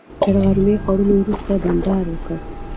تر غرمنۍ خوړلو وروسته بانډار وکړ.